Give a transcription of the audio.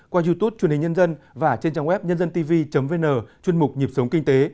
qua youtube truyền hình nhân dân và trên trang web nhân dân tv vn chuyên mục nhịp sống kinh tế